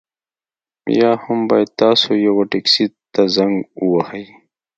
یا هم باید تاسو یوه ټکسي ته زنګ ووهئ